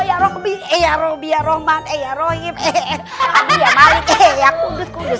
ya allah ya rohbi ya rohman ya rohim ya kudus kudus